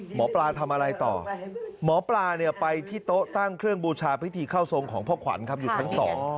หมอปลาทำอะไรต่อหมอปลาเนี่ยไปที่โต๊ะตั้งเครื่องบูชาพิธีเข้าทรงของพ่อขวัญครับอยู่ชั้น๒